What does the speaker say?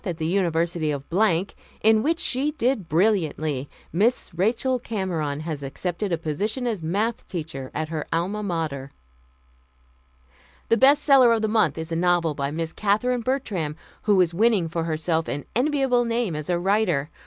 at the University of in which she did brilliantly, Miss Rachel Cameron has accepted a position as Math. teacher at her Alma Mater." "The best seller of the month is a novel by Miss Katherine Bertram, who is winning for herself an enviable name as a writer.